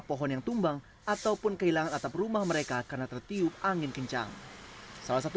pohon yang tumbang ataupun kehilangan atap rumah mereka karena tertiup angin kencang salah satu